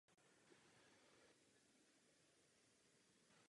John zastupoval Jižní Karolínu na kontinentálním kongresu.